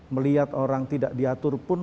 melihat orang tidak diatur pun